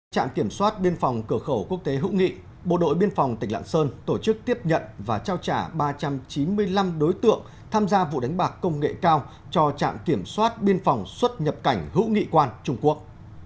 trạm kiểm soát biên phòng cửa khẩu quốc tế hữu nghị bộ đội biên phòng tỉnh lạng sơn tổ chức tiếp nhận và trao trả ba trăm chín mươi năm đối tượng tham gia vụ đánh bạc công nghệ cao cho trạm kiểm soát biên phòng xuất nhập cảnh hữu nghị quan trung quốc